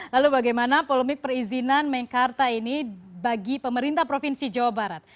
lalu bagaimana polemik perizinan mekarta ini bagi pemerintah provinsi jawa barat